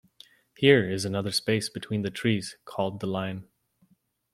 "Here is another space between the trees," called the Lion.